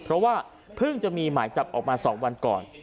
เพราะว่าเพิ่งจะมีหมายจับออกมา๒วันก่อน